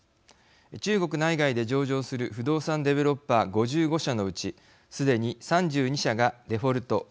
中国内外で上場する不動産デベロッパー５５社のうちすでに３２社がデフォルト＝